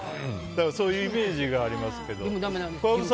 そういうイメージがありますけど。